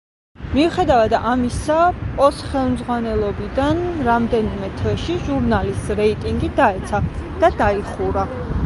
მიუხედავად ამისა, პოს ხელმძღვანელობიდან რამდენიმე თვეში ჟურნალის რეიტინგი დაეცა და დაიხურა.